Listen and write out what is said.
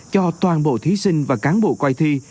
cho toàn bộ thí sinh và cán bộ coi thi